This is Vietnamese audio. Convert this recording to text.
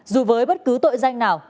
dù với bất cứ tội danh nào